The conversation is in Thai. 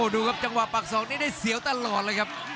ดูครับจังหวะปากศอกนี้ได้เสียวตลอดเลยครับ